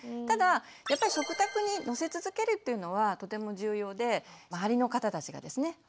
ただ食卓にのせ続けるっていうのはとても重要で周りの方たちがですね